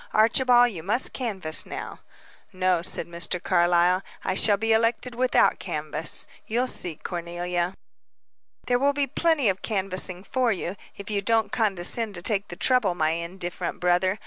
Archibald, you must canvass now." "No," said Mr. Carlyle, "I shall be elected without canvass. You'll see, Cornelia." "There will be plenty canvassing for you, if you don't condescend to take the trouble, my indifferent brother.